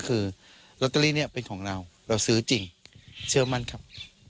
คือลอตเตอรี่เนี่ยเป็นของเราเราซื้อจริงเชื่อมั่นครับ